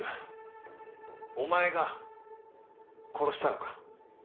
お前が殺したのか？